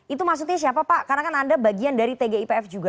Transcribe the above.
itu maksudnya siapa pak karena kan anda bagian dari tgipf juga